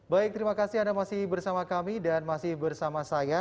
baik terima kasih anda masih bersama kami dan masih bersama saya